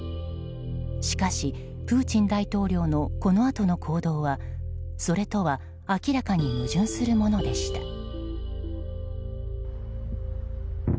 しかし、プーチン大統領のこのあとの行動はそれとは明らかに矛盾するものでした。